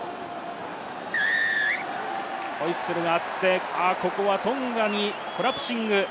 ホイッスルがあって、ここはトンガにコラプシング。